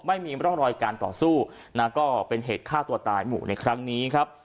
ไม่มีร่องรอยการต่อสู้นะก็เป็นเหตุฆ่าตัวตายหมู่ในครั้งนี้ครับ